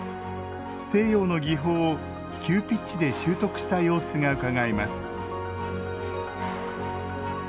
西洋の技法を急ピッチで習得した様子がうかがえます